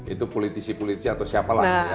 itu politisi politisi atau siapa lagi ya